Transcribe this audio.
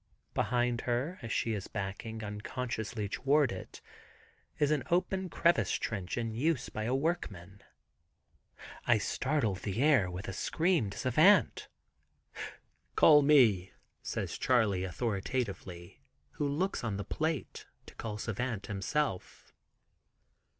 Behind her as she is backing unconsciously toward it, is an open crevasse trench in use by a workman. I startle the air with a scream to Savant, "Call me," says Charley, authoritatively, who looks on the plate, to call Savant himself.